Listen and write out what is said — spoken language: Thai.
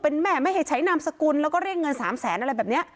เป็นแม่ไม่ให้ใช้นามสกุลแล้วก็เรียกเงิน๓แสนอะไรแบบนี้